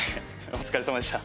お疲れさまでした。